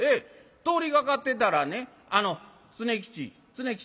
通りがかってたらね『常吉常吉。